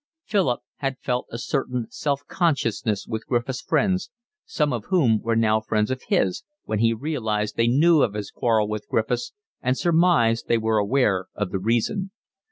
Philip had felt a certain self consciousness with Griffiths' friends, some of whom were now friends of his, when he realised they knew of his quarrel with Griffiths and surmised they were aware of the reason.